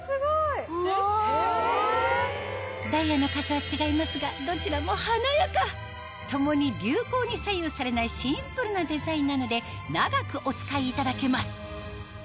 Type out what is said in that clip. ダイヤの数は違いますがどちらも華やか共に流行に左右されないシンプルなデザインなので長くお使いいただけます